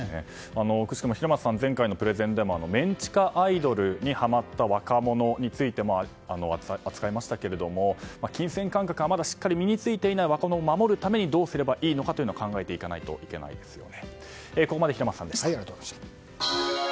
くしくも平松さん前回のプレゼンでもメンズ地下アイドルにはまった若者についても扱いましたが金銭感覚がまだ身に付いていない若者を守るためにどうすればいいのか考えなければいけませんね。